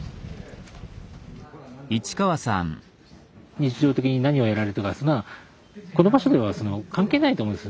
日常的に何をやられてるとかそんなのはこの場所では関係ないと思うんです。